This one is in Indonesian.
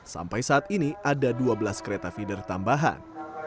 sampai saat ini ada dua belas kereta feeder tambahan